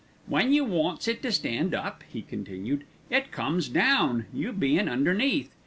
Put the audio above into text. "When you wants it to stand up," he continued, "it comes down, you bein' underneath.